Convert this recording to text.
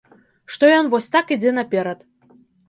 Што ён вось так ідзе наперад.